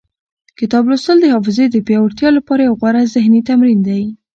کتاب لوستل د حافظې د پیاوړتیا لپاره یو غوره ذهني تمرین دی.